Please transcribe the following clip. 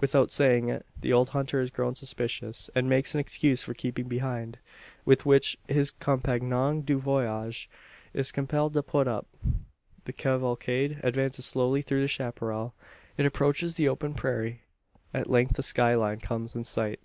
Without saying it, the old hunter has grown suspicious, and makes an excuse for keeping behind with which his compagnon du voyage is compelled to put up. The cavalcade advances slowly through the chapparal. It approaches the open prairie. At length the sky line comes in sight.